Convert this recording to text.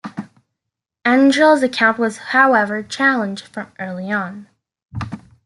Engel's account was however challenged from early on.